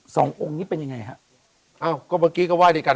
สององค์นี้เป็นยังไงฮะอ้าวก็เมื่อกี้ก็ไห้ด้วยกัน